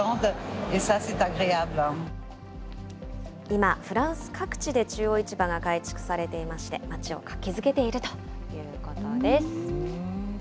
今、フランス各地で中央市場が改築されていまして、街を活気づけているということです。